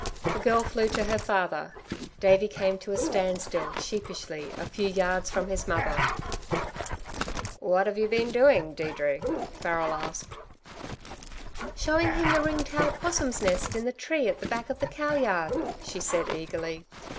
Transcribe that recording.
The girl flew to her father. Davey came to a standstill sheepishly, a few yards from his mother. "What have you been doing, Deirdre?" Farrel asked. "Showing him the ring tail 'possum's nest in the tree at the back of the cow yard," she said eagerly.